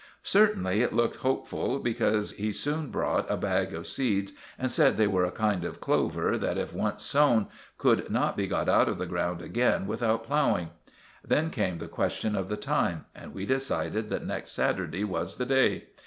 Certainly it looked hopeful, because he soon brought a bag of seeds and said they were a kind of clover that, if once sown, could not be got out of the ground again without ploughing. Then came the question of the time, and we decided that next Saturday was the day.